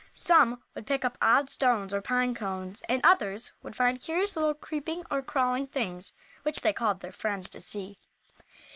Some would pick up odd stones, or pine cones, and others would find curious little creeping or crawling things which they called their friends to see.